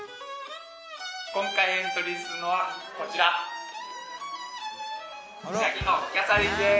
今回エントリーするのはこちらです